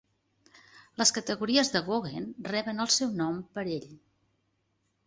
"Les categories de Goguen" reben el seu nom per ell.